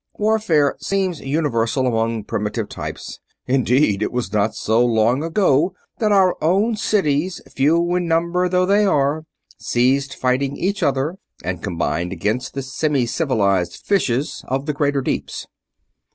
Warfare seems universal among primitive types indeed, it is not so long ago that our own cities, few in number though they are, ceased fighting each other and combined against the semicivilized fishes of the greater deeps."